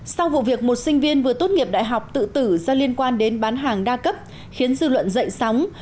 sau vụ việc một sinh viên vừa tốt nghiệp đại học tự tử do liên quan đến bán hàng đa cấp khiến dư luận dậy sóng